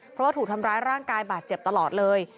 เพราะว่าถูกทำร้ายร่างกายบาดเจ็บตลอดเลย